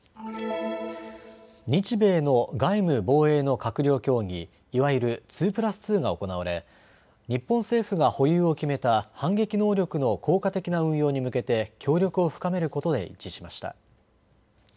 日米の外務・防衛の閣僚協議、いわゆる２プラス２が行われ日本政府が保有を決めた反撃能力の効果的な運用に向けて協力を深めることで一致しました。